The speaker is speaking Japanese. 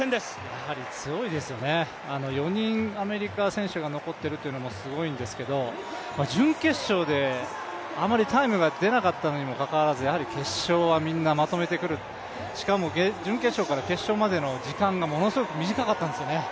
やはり強いですよね、４人アメリカの選手が残っているのもすごいんですけど、準決勝であまりタイムが出なかったのにもかかわらずやはり決勝はみんなまとめてくる、しかも準決勝から決勝までの時間がものすごく短かったんですよね。